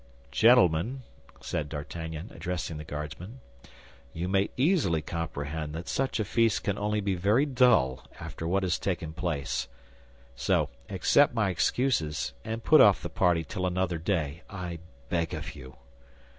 "Gentlemen," said D'Artagnan, addressing the Guardsmen, "you may easily comprehend that such a feast can only be very dull after what has taken place; so accept my excuses, and put off the party till another day, I beg of you."